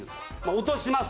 落とします